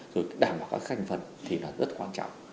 rồi đảm bảo các thành phần thì là rất quan trọng